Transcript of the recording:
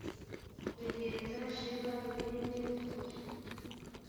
kugenza sheba mwene bikuri